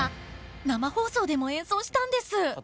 生放送でも演奏したんです！